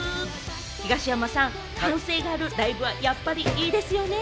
東山さん、歓声があるライブはやっぱりいいですよね。